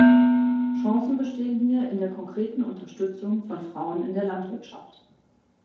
Chancen bestehen hier in der konkreten Unterstützung von Frauen in der Landwirtschaft.